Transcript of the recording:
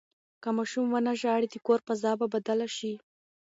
که ماشوم ونه ژاړي، د کور فضا به بدله شي.